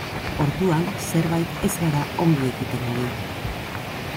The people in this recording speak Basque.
Orduan zerbait ez gara ongi egiten ari.